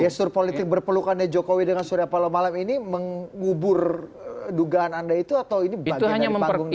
gestur politik berpelukannya jokowi dengan surya palomalam ini mengubur dugaan anda itu atau ini bagian dari panggung depan saja